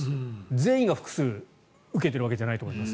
全員が複数受けているわけじゃないと思います。